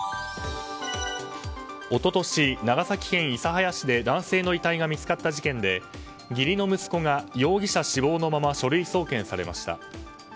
一昨年、長崎県諫早市で男性の遺体が見つかった事件で義理の息子が容疑者死亡のまま書類送検されました。